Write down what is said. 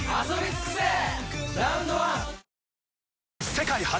世界初！